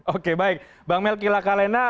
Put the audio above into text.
oke baik bang melki lakalena